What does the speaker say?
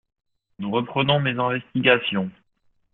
Nous reprenons mes investigations.